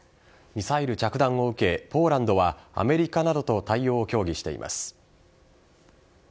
ミサイル着弾を受けポーランドはアメリカなどと対応を協議しています。